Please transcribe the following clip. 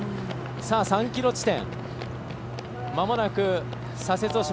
３ｋｍ地点。